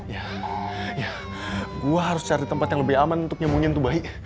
ya ya gue harus cari tempat yang lebih aman untuk nyemunin itu bayi